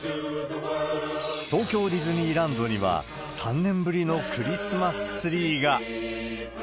東京ディズニーランドには、３年ぶりのクリスマスツリーが。